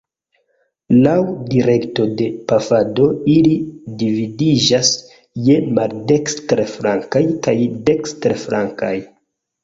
Laŭ direkto de pafado ili dividiĝas je maldekstre-flankaj kaj dekstre-flankaj.